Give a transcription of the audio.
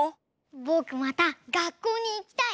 ぼくまたがっこうにいきたい！